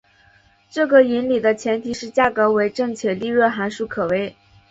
这个引理的前提是价格为正且利润函数可微。